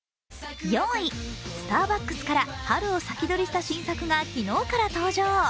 スターバックスから春を先取りした新作が昨日から登場。